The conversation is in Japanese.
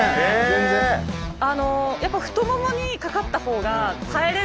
あのやっぱ太ももにかかった方が耐えれる。